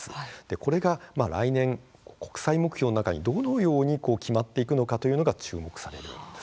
これが来年国際目標の中にどのように決まっていくのかというのが注目されるんです。